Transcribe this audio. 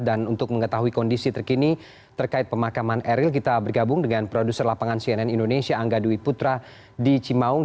dan untuk mengetahui kondisi terkini terkait pemakaman eril kita bergabung dengan produser lapangan cnn indonesia angga dwi putra di cimaung